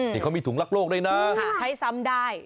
นี่เขามีถุงรักโลกด้วยนะใช้ซ้ำได้